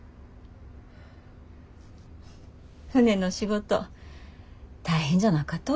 船の仕事大変じゃなかと？